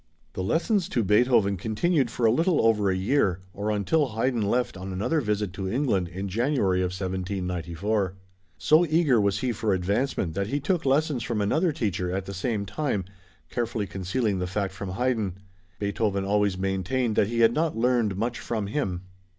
The lessons to Beethoven continued for a little over a year, or until Haydn left on another visit to England in January of 1794. So eager was he for advancement, that he took lessons from another teacher at the same time, carefully concealing the fact from Haydn. Beethoven always maintained that he had not learned much from him.